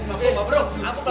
eh bapak bapak bro